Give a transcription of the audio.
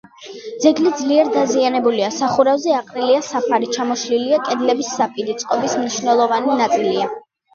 ძეგლი ძლიერ დაზიანებულია: სახურავზე აყრილია საფარი, ჩამოშლილია კედლების საპირე წყობის მნიშვნელოვანი ნაწილი.